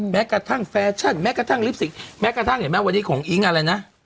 แม้กระทั่งแฟชั่นแม้กระทั่งลิปสิกแม้กระทั่งเห็นไหมวันนี้ของอิ๊งอะไรนะ